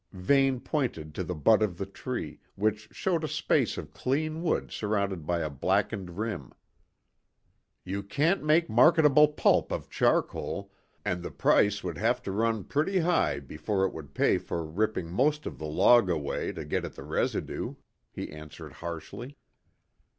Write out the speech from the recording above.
Vane pointed to the butt of the tree, which showed a space of clean wood surrounded by a blackened rim. "You can't make marketable pulp of charcoal, and the price would have to run pretty high before it would pay for ripping most of the log away to get at the residue," he answered harshly.